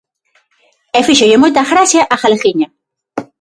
E fíxolle moita gracia a galeguiña...